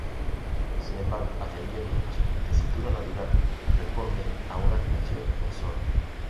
Sin embargo, atendiendo a su tesitura natural, responde a una afinación en Sol.